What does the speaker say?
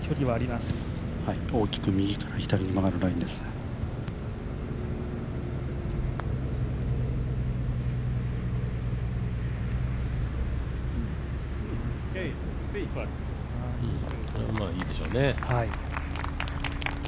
まあ、いいでしょうね。